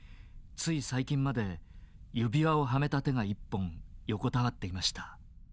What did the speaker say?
つい最近まで指輪をはめた手が１本横たわっていました。